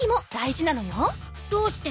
どうして？